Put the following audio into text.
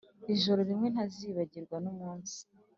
ijoro rimwe ntazibagirwa numunsi